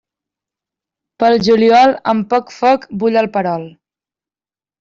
Pel juliol, amb poc foc bull el perol.